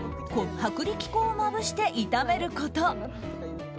薄力粉をまぶして炒めること。